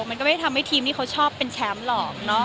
มันก็ไม่ได้ทำให้ทีมที่เขาชอบเป็นแชมป์หรอก